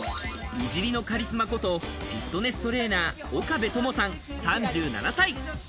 美尻のカリスマこと、フィットネストレーナー・岡部友さん、３７歳。